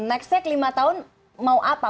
next take lima tahun mau apa